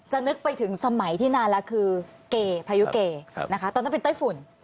นึกไปถึงสมัยที่นานแล้วคือเกพายุเกนะคะตอนนั้นเป็นไต้ฝุ่น